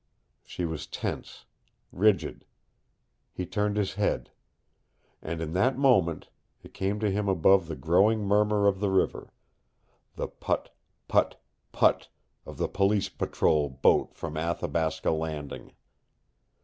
She was tense, rigid. He turned his head. And in that moment it came to him above the growing murmur of the river the PUTT, PUTT, PUTT of the Police patrol boat from Athabasca Landing!